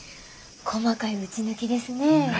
細かい打ち抜きですね。